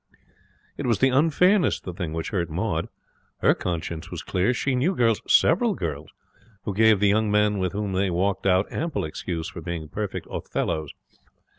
It was the unfairness of the thing which hurt Maud. Her conscience was clear. She knew girls several girls who gave the young men with whom they walked out ample excuse for being perfect Othellos.